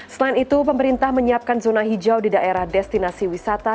selain itu pemerintah menyiapkan zona hijau di daerah destinasi wisata